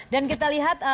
dan kita lihat